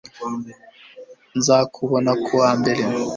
nzakubona kuwa mbere